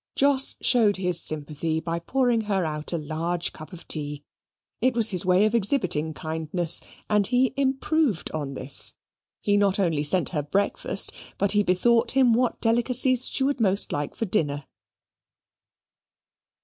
Jos showed his sympathy by pouring her out a large cup of tea It was his way of exhibiting kindness: and he improved on this; he not only sent her breakfast, but he bethought him what delicacies she would most like for dinner.